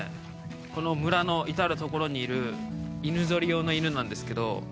この村の至るところにいる犬ぞり用の犬なんですけど。